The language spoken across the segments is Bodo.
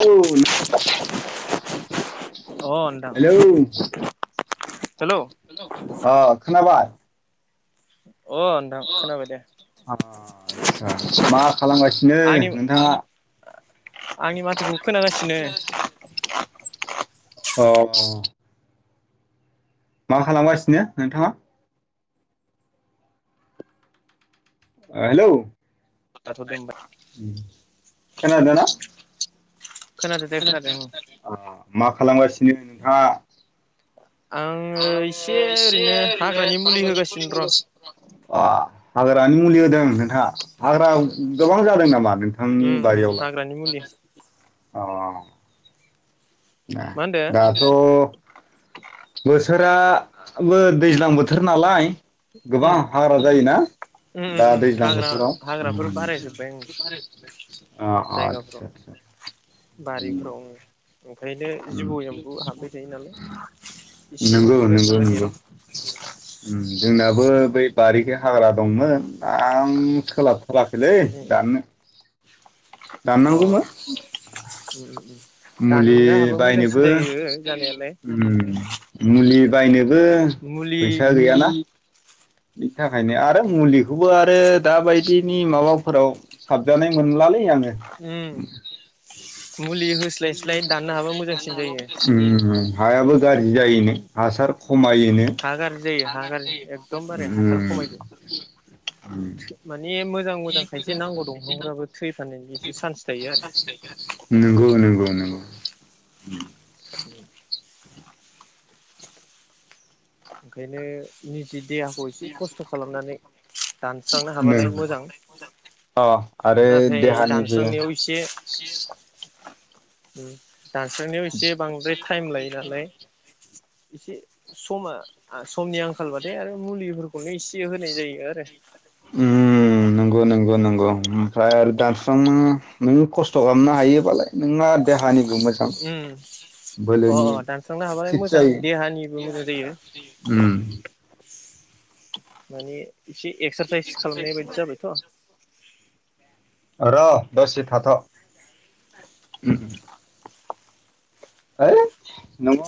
हेलौ अ नोंथां हेलौ हेलौ अ खोनाबाय अ नोंथां खोनाबाय दे आतसा मा खालामगासिनो आंनि नोंथाङा आंनि माथोखौ खोनागासिनो अ मा खालामगासिनो नोंथांङा ओ हेलौ लाथ'दो होमबा खोनादो ना खोनादो दे खोनादों दे खोनादों मा खालामगासिनो नोंथांङा आङो एसे ओरैनो हाग्रानि मुलि होगासिनो दङ हाग्रानि मु मुलि होदों नोंथांङा हाग्रा गोबां जादों नामा नोंथांनि उम उम बारियावलाय हाग्रानि मुलि अ ए मा होनदो दाथ बोथोराबो दैज्लां बोथोर नालाय गोबां उम हाग्रा जायोना उम उम दा उम दैज्लां हाग्रा बोथोराव हाग्राफोर उम बारायजोब्बाय आं अ अ‌ जायगाफोराव आदसा आदसा उम बारिफोराव ओं ओंखायनो उम जिबौ एम्बु हाबबाय थायो नालाय उम एसे नंगौ होना नंगौ होनि नंगौ र' उम जोंनाबो बै बारिखि हाग्रा दंमोन आं सोलाब होआखैलै उम उम दाननो अ दाननांगौमोन उम उम उम मुलि दाननो हाबा मोजांसिन बायनोबो जायो जानायालाय उम उम मुलि बायनो बो मुलि फैसा गैयाना बि बेनि थाखायनो आरो उम मुलिखौबो आरो दा बायदिनि माबाफोराव साबजानाय मोनलालै आं उम मुलि होस्लाय स्लाय दाननो हाबा मोजांसिन हो जायो नोंथां बिदि हासार होवालासि गायनो हाबा मोजांसिन उम हायाबो गाज्रि जायो नो हासार खमायो हा गाज्रि जायो हायाबो हा गाज्रि एकदमबारे हासार खमायदो जायोनो माने मोजां मोजां खायसे नांगौ दंफांफ्राबो थैफानायनि एसे चान्स थायो उम आरो उम नोंगौ नोंगौ नों उम उम [inaudible] ओंखायनो नि थि देहाखौ एसे खस्थ' खालामनानै दानस्रांनो नों हाबालाय मोजां अ आरो नाथाय देहानिबो दानस्रांनायाव एसे उम दानस्रांनायाव एसे बांद्राय टाइम लायो नालाय एसे समा आ होनाय जायो आरो उम नंगौ नंगौ नंगौ फ्राय आरो दानस्रांनो नों खस थ' खालामनो हायोबालाय नोंहा देहानि मोजां उम अ बोलोनि अ दानस्रांनो हाबालाय फित मोजां जायो देहानिबो मोजां जायो उम माने एसे एक्सारसाइस खालामनाय बायदि जाबायथ' र' दसे थाथ' हैइ न'आव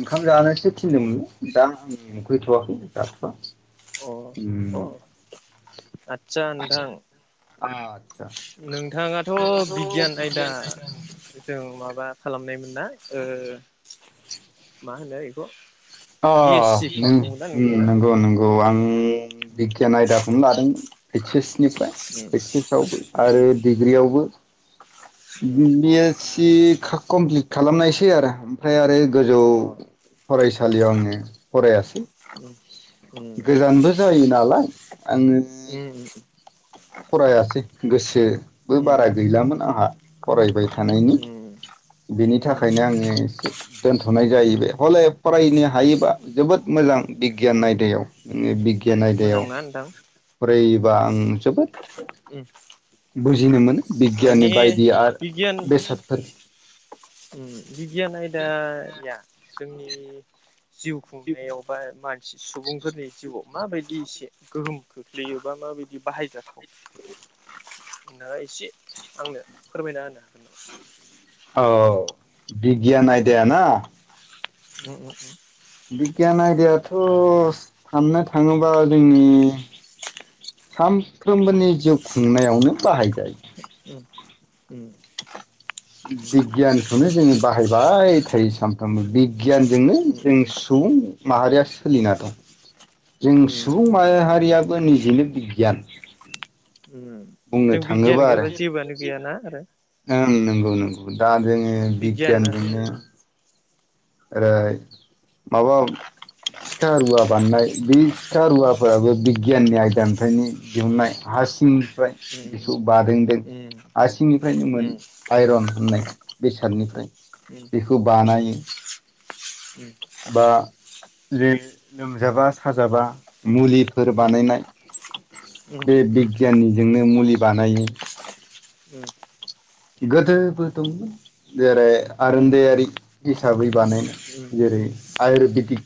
ओंखाम जानोसो थिनदोंमोन दा आं उखैथ'वाखै जाथ'वा उम अ आदसा नोंथां आ नोंथाङाथ' बिगियान आयदा जों माबा खालामनायमोन ना ओ मा होनो [unintelligible] अ बि एस सि नों खालामदोंमोन ना नोंथाङा नंगौ नंगौ आं बिगियान आयदाखौनो लादोंमोन ऐइस एस निफ्राय ऐइस एस आवबो आरो डिग्रियावबो [inaudible] बि एस सि खो कमप्लिट खालामनायसै आरो ओमफ्राय आरो गोजौ फरायसालियाव आङो फरायासै उम उम अ उम गोजानबो जायो नालाय आङो उम फरायासै गोसोबो बारा उम गैलामोन आंहा। फरायबाय थानायनि बेनि थाखायनो आङो एसे दोनथ' नाय जाहैबाय हले फरायनो उम हायोबा जोबोद मोजां बिगियान आयदायाव उम बिगियान आयदायाव मोजांना नोंथां फराय बा आं जोबोद। उम बुजिनो मोनो बिगियाननि माने। बिगियान [unintelligible] बेसादफोर उम। बिगियान आयदाया। जोंनि। जिउ खुंनायाव बा मानसि सुबुंफोरनि जिउआव माबायदि एसे। गोहोम खोख्लैयोबा माबायदि बाहायजाथाव। होना एसे आंनो फोरमायना होनो हागोन? औ औ बिगियान आयदायाना‌। उम उम। बिगियान आयदायाथ' साननो थाङोबा जोंनि सानफ्रोमबोनि जिउ। खुंनायावनो बाहायजायो। उम उम। बिगियानखौनो जोङो बाहायबाय थायो सानफ्रामबो बि गियानजोंनो जों उम सुबुं माहारिया। सोलिना दं। जों उम उम सुबुं माहाहारियाबो निजेनो। बिगियान। उम उम बुंनो जों बिगियान थाङोबा आरो गैयाबा जेबोआनो गैयाना आरो ओं नों गौ दा। जोङो बिगियाना बिगियानजोंनो। ओरै माबा सिखा रुवा बाननाय बे। सिखा उम रुवाफ्राबो बिगियाननि आ [unintelligible] दिहुननाय हासिंनिफ्राय उम उम बेखौ बादोंदों उम उम हासिंनिफ्रायनो मोन आइरन होननाय बेसादनिफ्राय बेखौ बानायो। बा जे लोमजाबा साजाबा मुलिफोर बानायनाय बे बिगियान निजोंनो मुलि बानायो। गोदो बो दंमोन जेरै आरोनदायारि हिसाबै बानायनाय जेरै आइरुबिदिक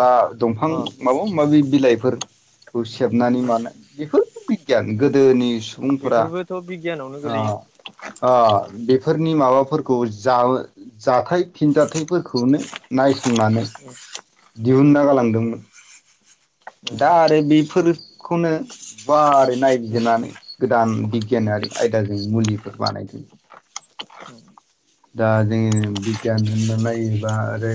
बा दंफां अ माबा माबि बिलाइफोर खौ सेबनानै उम मानाय बेफोरबो बिगियान उम गोदोनि सु बेफोरबोथ' बिगियानावनो गोलैयो। अ बेफोरनि माबाफोरखौ जाउ जाथाय फिनजाथाइफोरखौनो नायसंनानै गासिबो दिहुनना गालांदोंमोन‌। दा आरो बिफोर खौनो गुवारै नायबिजिरनानै गोदान बिगियानारि आयदाजों मुलिफोर बानायदों दा जोङो बिगियान होनना नायोबा ओरै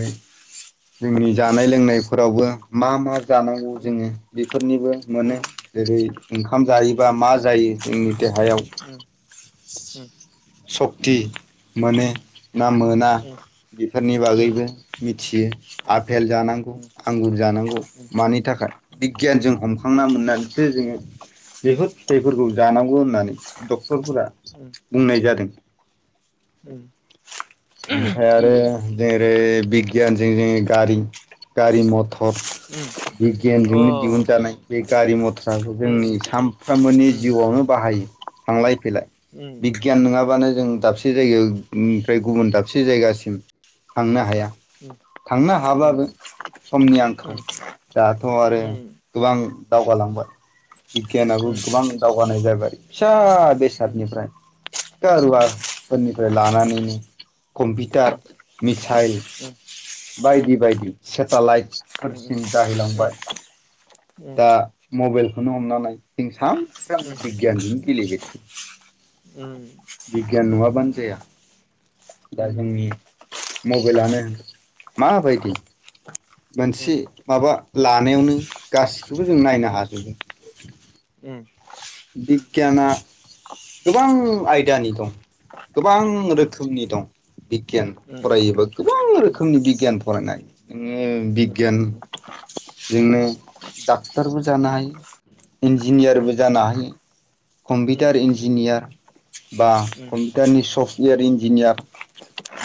जोंनि जानाय लोंनायफोरावबो मा मा जानांगौ जोङो बेफोरनिबो मोनो जेरै ओंखाम जायोबा मा जायो जोंनि देहायाव सक्क्ति मोने ना मोना बिफोरनि बागैबो मिथियो आफेल जानांगौ आंगुर जानांगौ मानि थाखाय बिगियानजों हमखांना मोननानैसो जोङो बेफोर फिथाइफोरखौ जानांगौ होननानै डक्टरफोरा बुंनाय जा दों। ओमफ्राय आरो जेरै बिगियानजों जोङो गारि गारि मटर बिगियानजोंनो दिहुनजानाय बे गारि मटराबो जोंनि सामफ्रोमबोनि जिउआवनो बाहायो थांलाय फैलाय बिगियान नोङाबानो जों दाबसे जायगायाव निफ्राय गुबुन दाबसे जायगासिम थांनो हाया थांनो हाबाबो समनि आंखाल दाथ' आरो गोबां दावगालांबाय बिगियानाबो गोबां दावगानाय जाबाय फिसा बेसादनिफ्राय सिखा रुवा फोरनिफ्राय लानानैनो कम्पिटार मिसाइल बायदि बायदि सेटालाइट फोरसिम दाहैलांबाय दा मबेलखौनो हमना नाय जों सानफ्रामबो बिगियानजोंनो गेलेबाय थायो बिगियान नङाबानो जाया दा जोंनि मबेलानो मा बायदि मोनसे माबा लानायावनो गासिखौबो जों नायनो हाजोबो। बिगियाना गोबां आयदानि दं गोबां रोखोमनि दं बिगियान फरायोबा गोबां रोखोमनि बिगियान फरायनाय [unintelligible] बिगियान जोंनो डाक्टरबो जानो हायो इन्जिनियारबो जानो हायो कम्पिउटार इन्जिनियार बा कम्पिउटारनि सफ्टवेर इन्जिनियार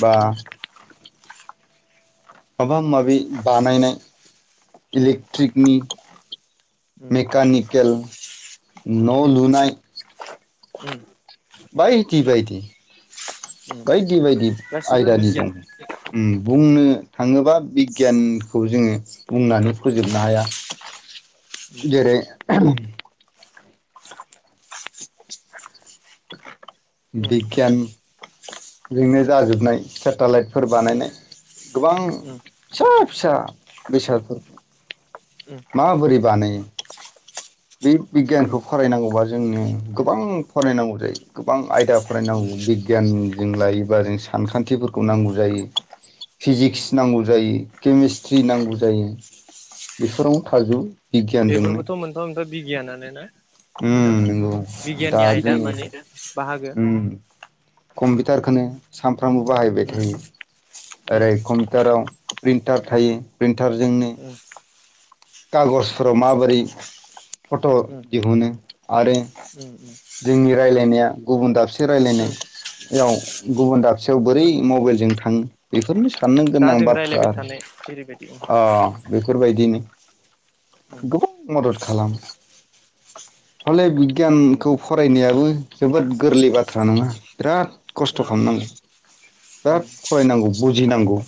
बा माबा माबि बानायनाय इलेक्ट्रिकनि मेकानिकेल। न' लुनाय बायदि बायदि बाय दि बायदि आयदानि दं बिगियान उम। बुंनो थाङोबा बिगियानखौ जोङो बुंनानै फोजोबनो हाया जेरै बिगियान जोंनो जाजोबनाय सेटेलाइटफोर बानायनाय गोबां फिसा फिसा बेसादफोर माबोरै बानायो? बि बिगियानखौ बेफोरबोथ' फरायनांगौबा जोंनो गोबां फरायनांगौ जायो गोबां आयदा फरायनांगौ बिगियानजों लायोबा जों सानखान्थिफोरखौ नांगौ जायो फिजिक्स नांगौ जायो केमेस्ट्रि नांगौ जायो बेफोरावनो थाजोबो। बिगियानजोंनो बेफोरबोथ' मोनफा [unintelligible] बिगियानानो ना नोंथां उम नंगौ दा बिगियाननि आयदा जोङो माने बाहागो। कम्पिटारखोनो सान फ्रामबो बाहायबाय थायो ओरै कम्पिटाराव प्रिनटार थायो प्रिन थारजोंनो खागजफोराव माबोरै फट' दिहुनो। आरो जोंनि रायलाय [unintelligible] गुबुन दाब रायलायनाय। याव गुबुन दाबसेयाव बोरै मबाइलजों थाङो बेफोरनोसै साननो दा गोनां जों बाथ्रा रायलायबाय थानाय जेरैबायदि अ बेफोरबायदिनो गोबां मदद। खालाम‌। माने बिगियानखौ फरायनायाबो जोबोद गोरलै बाथ्रा नङा बिराद खस्थ' उम। खालामनांगौ बिराद फरायनांगौ बुजिनांगौ।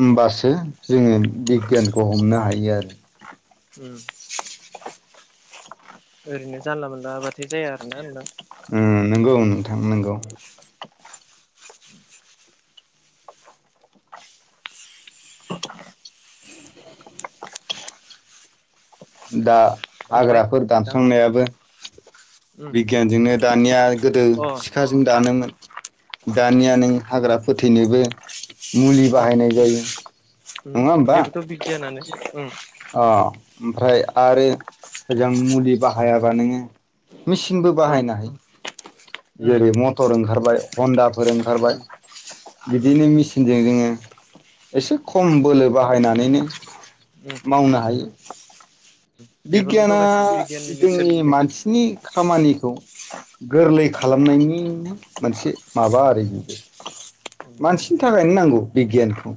होमबासो जोङो बिगियानखौ हमनो हायो आरो। ओरैनो जानला मोनला आबाद बिदि जाया आरोना नोंथां। नोंगौ नोंथां नोंगौ। दा। ओमफ्राय हाग्राफोर नोंथां दानस्रांनायाबो बिगियानजोंनो दानिया गोदो अ सिखाजों दानोमोन। दानिया नों हाग्रा फोथैनोबो मुलि बाहायनाय जायो नङा होमबा? बेबोथ' बिगियानानो अ ओमफ्राय आरो ओजों मुलि बाहायाबा नोंङो मेसिनबो बाहायनो हायो जेरै मटर ओंखारबाय हनडा फोर ओंखारबाय बिदिनो मेसिनजों जोंङो एसे खम बोलो बाहायनानैनो मावनो हायो। बिगियाना बेफोरबोथ' गासिबो बिगियाननिनो जोंनि सोरजिथाय मानसिनि खामानि खौ गोरलै खालामनायनिनो मोनसे माबा आरो मानसिनि थाखायनो नांगौ बिगियानखौ।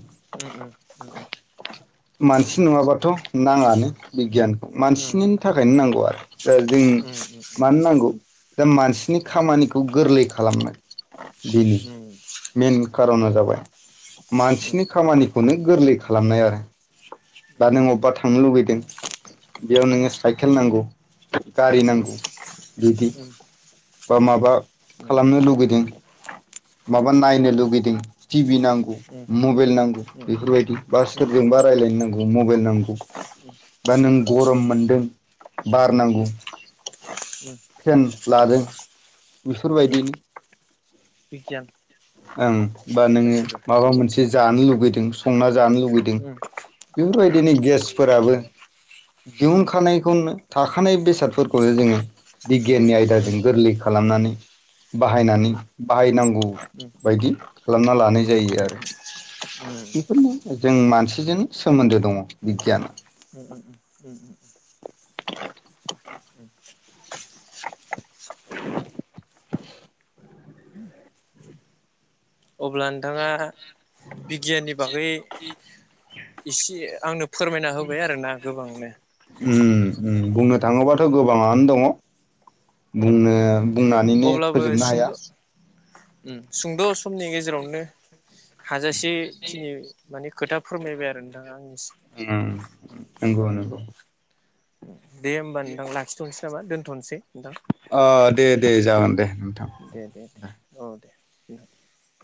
मानसि नङाबाथ' नाङानो बिगियानखौ मानसिनि थाखायनो नांगौ आरो दा जों मानो नांगौ दा मानसिनि खामानिखौ गोरलै खालामनाय बेनो मेन खार'ना जाबाय मानसिनि खामानिखौनो गोरलै खालामनाय आरो। दा नों अबेबा थांनो लुगैदों बेयाव नोंङो साइकेल नांगौ गारि नांगौ बिगियान बिदि बा माबा खालामनो लुगैदों। माबा नायनो लुगैदों टि भि नांगौ मबाइल नांगौ बेफोर बायदि बा सोरजोंबा रायलायनो नांगौ मबाइल नांगौ बा नों गरम मोनदों बार नांगौ फेन लादों बेफोर बायदिनो। बिगियान ओं बा नोङो माबा मोनसे जानो लुुबैदो संना जानो लुबैदों बेफोर बायदिनो गेसफोराबो दिहुनखानायखौनो थाखानाय बेसादफोरखौनो जोंङो बिगियाननि आयदाजों गोरलै खालामनानै बाहायनानै बाहायनांगौ बायदि खालामना लानाय जायो आरो। बेफोरनो जों मानसिजोंनो सोमोन्दो दङ बिगियाना। अब्ला नोंथाङा बिगियाननि बागै एसे आंनो फोरमायना होबाय आरोना गोबांनो‌। उम्म उम्म उम्म बुंनो थाङोबाथ' गोबाङानो दङ बुंनो बुंनानैनो फोजोबनो हाया। उम्म सुद' समनि गेजेरावनो हाजासे खिनि माने खोथा फोरमायबाय आरो नोंथां उम नंगौ नंगौ आंनिसिम दे होमबा नोंथां लाखिथ'नसै। बा दोनथनोसै नोंथां। ओ दे दे जागोन दे। दे दे दे। औ दे दोनथ'